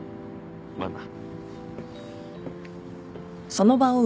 まあな。